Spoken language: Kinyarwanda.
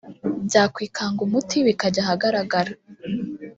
byakwikanga umuti bikajya ahagaragara